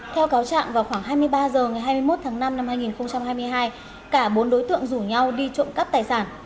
theo cáo trạng vào khoảng hai mươi ba h ngày hai mươi một tháng năm năm hai nghìn hai mươi hai cả bốn đối tượng rủ nhau đi trộm cắp tài sản